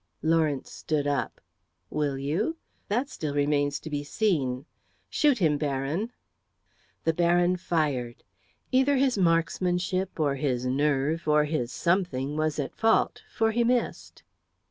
Lawrence stood up. "Will you? That still remains to be seen. Shoot him, Baron!" The Baron fired. Either his marksmanship, or his nerve, or his something, was at fault, for he missed.